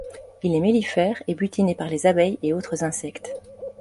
Il est mellifère et butiné par les abeilles et autres insectes.